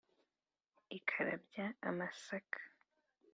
Ikarumby amasaká